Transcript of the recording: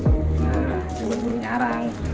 nah ini burungnya arang